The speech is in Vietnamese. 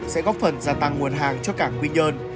sẽ góp phần gia tăng nguồn hàng cho cảng quy nhơn